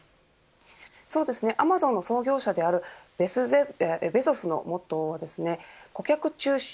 そうですねアマゾンの創業者であるベゾスのモットーは顧客中心。